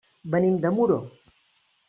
Venim de Muro.